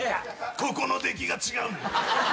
ここの出来が違うんだ。